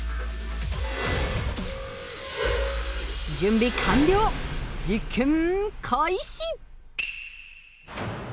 準備完了実験開始！